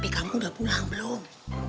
kamu udah pulang belum